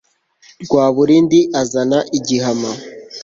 Rwaburindi azana igihama